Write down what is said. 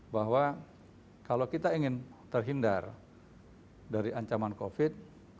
bahwa kalau kita ingin terhindar dari ancaman covid